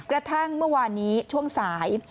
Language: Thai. กระทั่งเมื่อวานนี้ช่วงสาย